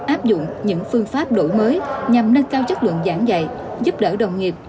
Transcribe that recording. áp dụng những phương pháp đổi mới nhằm nâng cao chất lượng giảng dạy giúp đỡ đồng nghiệp